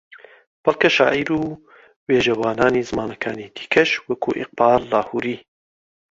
بەڵکە شاعیر و وێژەوانانی زمانەکانی دیکەش وەک ئیقباڵ لاھووری